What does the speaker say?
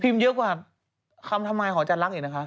พิมพ์เยอะกว่าคำทำไมของอาจารย์รักอีกนะคะ